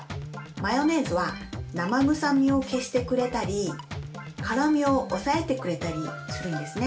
マヨネーズは生臭みを消してくれたり辛みを抑えてくれたりするんですね。